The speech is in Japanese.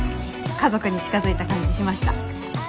家族に近づいた感じしました。